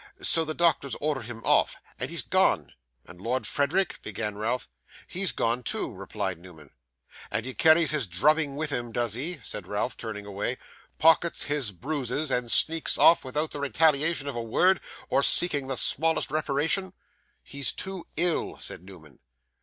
So the doctors ordered him off. And he's gone.' 'And Lord Frederick ?' began Ralph. 'He's gone too,' replied Newman. 'And he carries his drubbing with him, does he?' said Ralph, turning away; 'pockets his bruises, and sneaks off without the retaliation of a word, or seeking the smallest reparation!' 'He's too ill,' said Newman.